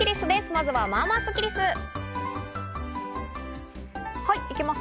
まずは、まあまあスッキりす。